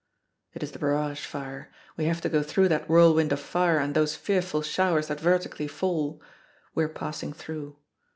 It is the barrage fire. We have to go through that whirlwind of fire and those fearful showers that vertically fall. We are passing through.